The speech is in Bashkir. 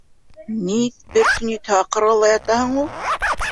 - Ни бер төн етһә аҡыра ла ятаһын ул?!